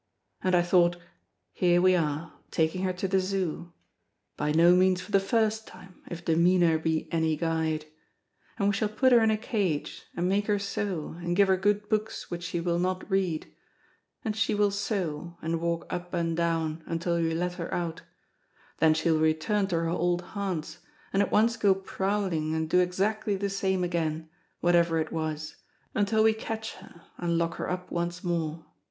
And I thought: "Here we are, taking her to the Zoo (by no means for the first time, if demeanour be any guide), and we shall put her in a cage, and make her sew, and give her good books which she will not read; and she will sew, and walk up and down, until we let her out; then she will return to her old haunts, and at once go prowling and do exactly the same again, what ever it was, until we catch her and lock her up once more.